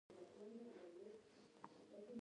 له پوهېدونکي نه د سوال کولو نه یې احساس را ونهګرځوي.